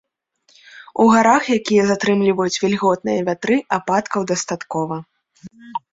У гарах, якія затрымліваюць вільготныя вятры, ападкаў дастаткова.